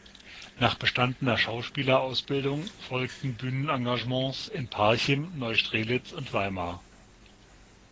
Nach bestandener Schauspielerausbildung folgten Bühnenengagements in Parchim, Neustrelitz und Weimar.